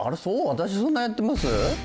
私そんなやってます？